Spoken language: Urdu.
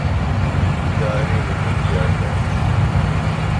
جاری نہیں کیا گیا ہے